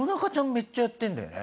めっちゃやってるんだよね？